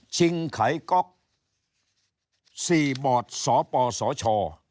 ชิงไขก๊อก๔บอทสปสช